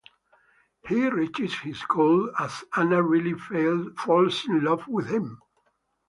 He reaches his goal, as Ana really falls in love with him.